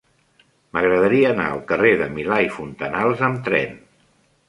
M'agradaria anar al carrer de Milà i Fontanals amb tren.